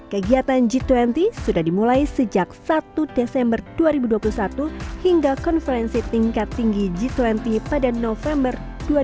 kegiatan g dua puluh sudah dimulai sejak satu desember dua ribu dua puluh satu hingga konferensi tingkat tinggi g dua puluh pada november dua ribu dua puluh